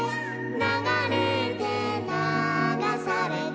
「ながれてながされて」